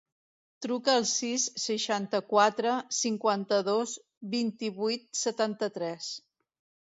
Truca al sis, seixanta-quatre, cinquanta-dos, vint-i-vuit, setanta-tres.